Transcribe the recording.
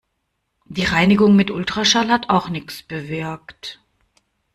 Die Reinigung mit Ultraschall hat auch nichts bewirkt.